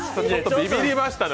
ビビリましたね。